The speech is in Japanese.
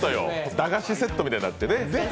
駄菓子セットみたいになってね。